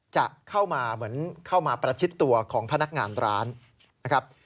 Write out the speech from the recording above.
จะเข้ามาเหมือนเข้ามาประชิดตัวของพนักงานร้านนะครับ